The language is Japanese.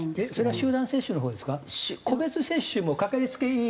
集団接種のほうですか？